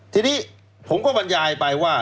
ทีนี้ผมก็บรรยายไปว่า